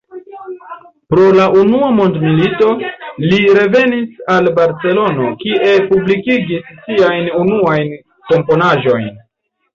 Pro la Unua Mondmilito, li revenis al Barcelono, kie publikigis siajn unuajn komponaĵojn.